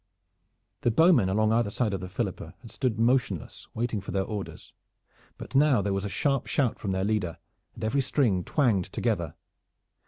The bowmen along either side of the Philippa had stood motionless waiting for their orders, but now there was a sharp shout from their leader, and every string twanged together.